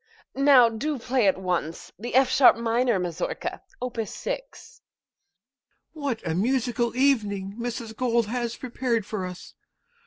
Now do play at once the F sharp minor mazourka, opus 6. MR. PIOUS. What a musical evening Mrs. Gold has prepared for us!